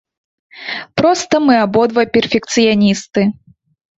Проста мы абодва перфекцыяністы.